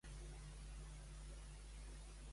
Reserva un Uber per anar a Vilanova i la Geltrú.